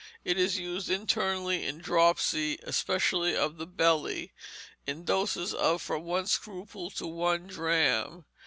It is used internally in dropsy, especially of the belly, in doses of from one scruple to one drachm.